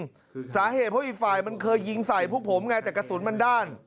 สาเหตุเพราะอีกฝ่ายมันเคยยิงใส่พวกผมไงแต่กระสุนมันด้าน